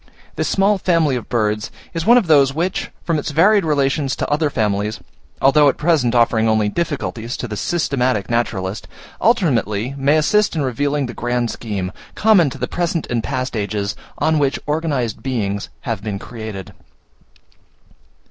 This small family of birds is one of those which, from its varied relations to other families, although at present offering only difficulties to the systematic naturalist, ultimately may assist in revealing the grand scheme, common to the present and past ages, on which organized beings have been created.